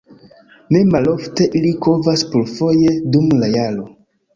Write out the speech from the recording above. Ne malofte ili kovas plurfoje dum la jaro.